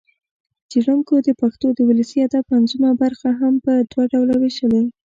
څېړنکو د پښتو د ولسي ادب منظومه برخه هم په دوه ډوله وېشلې